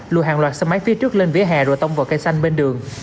lùi hàng loạt xe máy phía trước lên vỉa hè rồi tông vào cây xanh bên đường